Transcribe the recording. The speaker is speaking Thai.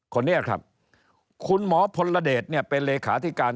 คนนี้ครับคุณหมอพลเดชเนี่ยเป็นเลขาธิการ